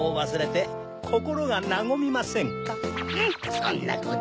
そんなこと。